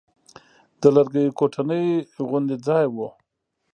د لرګيو کوټنۍ غوندې ځاى و.